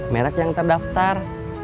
merek yang terdaftar